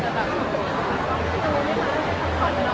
สมันคงปล่อยมากไป